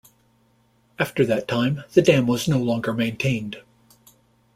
After that time, the dam was no longer maintained.